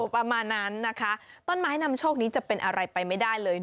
ประมาณนั้นนะคะต้นไม้นำโชคนี้จะเป็นอะไรไปไม่ได้เลย